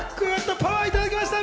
パワーいただきました。